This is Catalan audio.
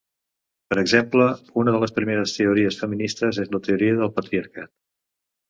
Per exemple, una de les primeres teories feministes és la teoria del patriarcat.